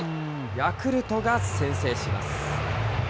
ヤクルトが先制します。